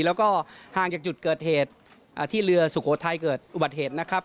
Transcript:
แล้วก็ห่างจากจุดเกิดเหตุที่เรือสุโขทัยเกิดอุบัติเหตุนะครับ